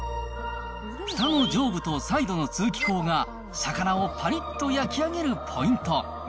ふたの上部とサイドの通気口が、魚をぱりっと焼き上げるポイント。